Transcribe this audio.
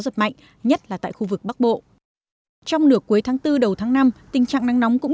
giật mạnh nhất là tại khu vực bắc bộ trong nửa cuối tháng bốn đầu tháng năm tình trạng nắng nóng cũng